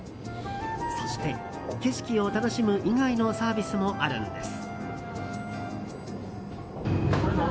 そして、景色を楽しむ以外のサービスもあるんです。